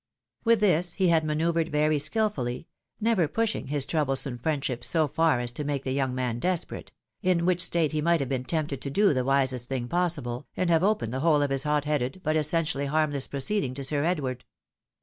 With tMs he had manoeuvred very skilfully — never pushing his troublesome friendship so far as to make the young man desperate ; in which state he might have been tempted to do the wisest thing possible, and have opened the whole of his hot headed, but essentially harmless proceeding to Sir Edward.